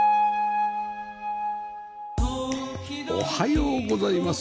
おはようございます。